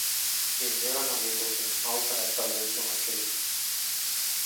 Эмне гана болбосун ал тарапта болушуңар керек.